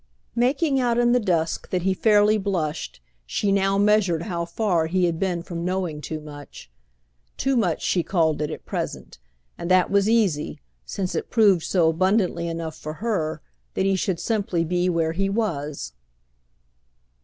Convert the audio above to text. Making out in the dusk that he fairly blushed, she now measured how far he had been from knowing too much. Too much, she called it at present; and that was easy, since it proved so abundantly enough for her that he should simply be where he was.